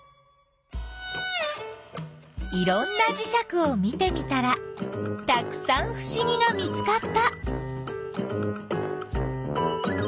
いろんなじしゃくを見てみたらたくさんふしぎが見つかった。